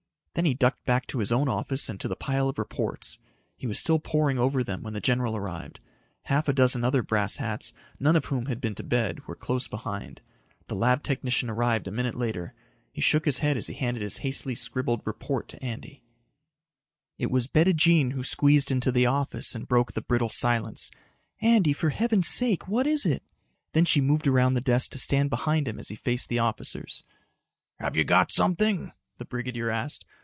Then he ducked back to his own office and to the pile of reports. He was still poring over them when the general arrived. Half a dozen other brass hats, none of whom had been to bed, were close behind. The lab technician arrived a minute later. He shook his head as he handed his hastily scribbled report to Andy. It was Bettijean who squeezed into the office and broke the brittle silence. "Andy, for heaven's sake, what is it?" Then she moved around the desk to stand behind him as he faced the officers. "Have you got something?" the brigadier asked.